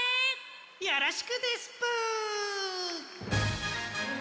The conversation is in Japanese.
よろしくですぷ！